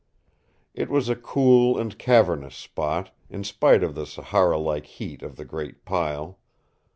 It was a cool and cavernous spot, in spite of the Sahara like heat of the great pile.